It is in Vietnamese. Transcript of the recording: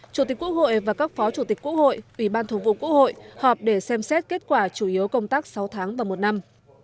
chủ tịch quốc hội và các phó chủ tịch quốc hội ủy ban thường vụ quốc hội họp để xem xét kết quả chủ yếu công tác sáu tháng và một năm